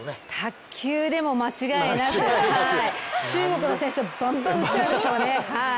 卓球でも間違いなく中国の選手とバンバン打ち合うでしょうね。